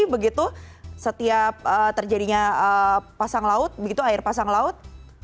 begitu setiap terjadinya pasang laut begitu air pasang laut